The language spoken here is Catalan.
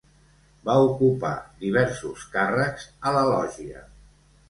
Va ocupar diversos càrrecs a la lògia.